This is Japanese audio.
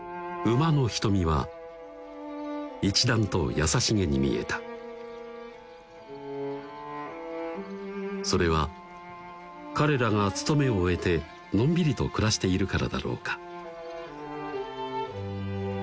馬の瞳は一段と優しげに見えたそれは彼らが務めを終えてのんびりと暮らしているからだろうか